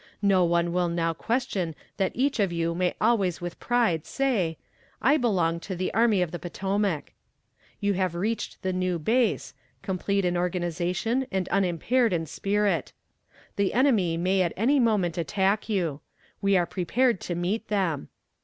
No one will now question that each of you may always with pride say: 'I belong to the Army of the Potomac.' You have reached the new base, complete in organization and unimpaired in spirit. The enemy may at any moment attack you. We are prepared to meet them.